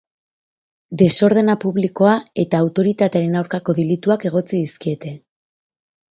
Desordena publikoa eta autoritatearen aurkako delituak egotzi dizkiete.